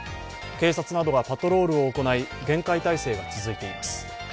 警察などがパトロールを行い、厳戒態勢が続いています。